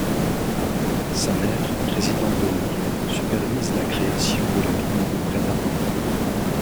Sa mère, présidente d'honneur, supervise la création de la ligne de prêt-à-porter.